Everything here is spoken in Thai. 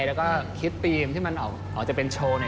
แล้วก็สคริปต์ธีมที่มันออกจะเป็นโชว์หน่อย